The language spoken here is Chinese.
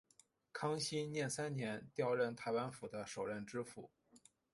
康熙廿三年调任台湾府的首任知府。